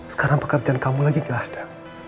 sekarang pekerjaan kamu lagi gak ada